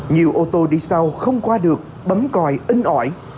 nhiều ô tô đi sau không qua được bấm còi in ỏi